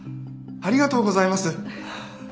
ありがとうございます！